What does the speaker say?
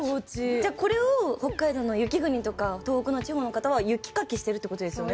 じゃあこれを北海道の雪国とか東北の地方の方は雪かきしてるって事ですよね